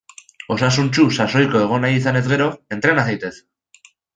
Osasuntsu, sasoiko egon nahi izanez gero; entrena zaitez!